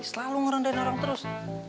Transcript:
selalu ngerendahin orang terus